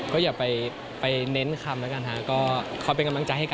ก็อย่าไปเน้นคำแล้วกันฮะก็เขาเป็นกำลังใจให้กัน